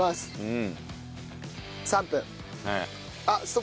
あっ！